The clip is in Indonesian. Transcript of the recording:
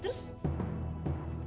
terus kenapa dong